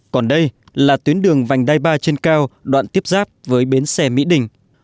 còn đây là tuyến đường vành đai ba trên cao đoạn tiếp giáp với bến xe mỹ đình